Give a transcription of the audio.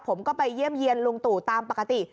ผมก็ไปเยี่ยมเยี่ยนลุงตู่ตามปกติ